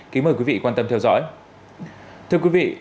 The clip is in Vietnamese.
kính mời quý vị quan tâm theo dõi